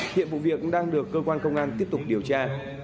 hiện vụ việc đang được cơ quan công an tiếp tục điều tra